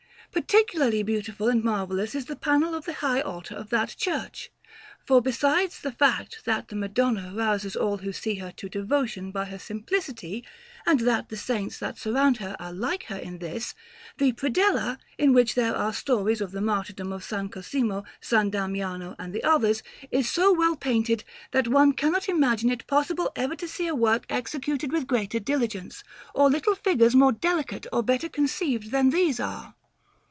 Particularly beautiful and marvellous is the panel of the high altar of that church; for, besides the fact that the Madonna rouses all who see her to devotion by her simplicity, and that the Saints that surround her are like her in this, the predella, in which there are stories of the martyrdom of S. Cosimo, S. Damiano, and others, is so well painted, that one cannot imagine it possible ever to see a work executed with greater diligence, or little figures more delicate or better conceived than these are.